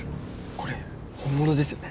これ本物ですよね？